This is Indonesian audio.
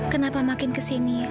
kenapa makin kesini